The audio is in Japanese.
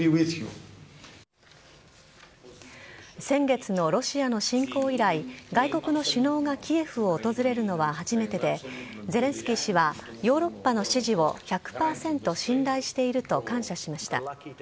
先月のロシアの侵攻以来、外国の首脳がキエフを訪れるのは初めてで、ゼレンスキー氏は、ヨーロッパの支持を１００％信頼していると感謝しました。